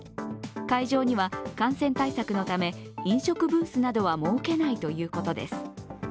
会場には感染対策のため飲食ブースなどは設けないということです。